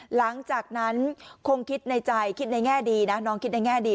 หลังจากนั้นคงคิดในใจคิดในแง่ดีนะน้องคิดในแง่ดี